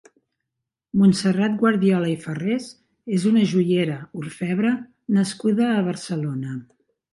Montserrat Guardiola i Farrés és una joiera, orfebre nascuda a Barcelona.